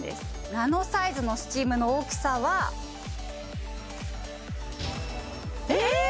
ナノサイズのスチームの大きさはえっ！？